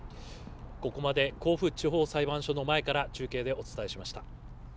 ここまで甲府地方裁判所の前から中継でお伝えしました。